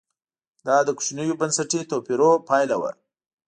دا د کوچنیو بنسټي توپیرونو پایله وه.